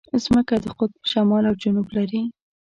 مځکه د قطب شمال او جنوب لري.